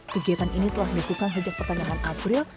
kegiatan ini telah diakukan sejak pertanyaan april